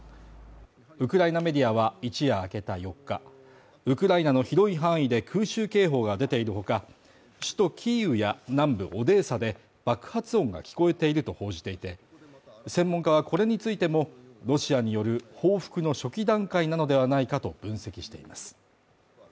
ウクライナメディアは一夜明けた４日ウクライナの広い範囲で空襲警報が出ている他、首都キーウや南部オデーサで爆発音が聞こえていると報じていて、専門家はこれについても、ロシアによる報復の初期段階などではないかと分析しています。